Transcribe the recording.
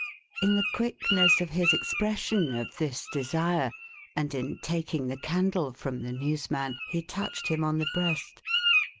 11 In the quickness of his expression of this desire, and in taking the candle from the newsman, he touched him on the breast.